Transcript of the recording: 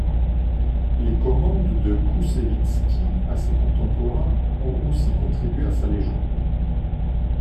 Les commandes de Koussevitzky à ses contemporains ont aussi contribué à sa légende.